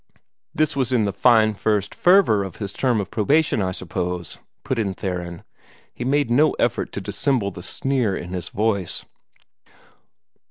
"This was in the fine first fervor of his term of probation, I suppose," put in Theron. He made no effort to dissemble the sneer in his voice.